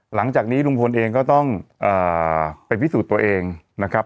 หลังจากนี้ลุงพลเองก็ต้องไปพิสูจน์ตัวเองนะครับ